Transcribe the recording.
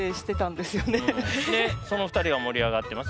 でその２人は盛り上がってます。